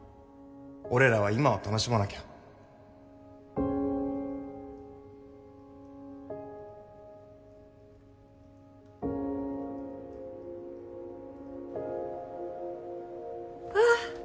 俺らは今を楽しまなきゃあ。